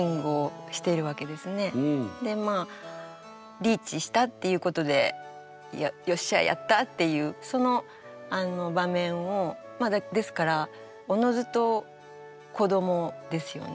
リーチしたっていうことで「よっしゃあやった！」っていうその場面をですからおのずと子どもですよね。